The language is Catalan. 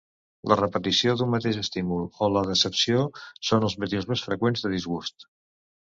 La repetició d'un mateix estímul o la decepció són els motius més freqüents de disgust.